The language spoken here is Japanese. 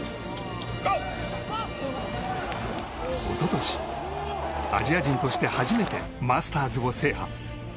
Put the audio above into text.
おととし、アジア人として初めてマスターズを制覇。